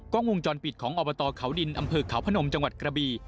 กล้องวงจรปิดของอบตเขาดินอำเภอเขาพนมจังหวัดกระบี